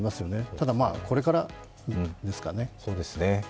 ただこれからですかね。